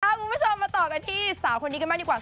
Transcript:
คุณผู้ชมมาต่อกันที่สาวคนนี้กันบ้างดีกว่า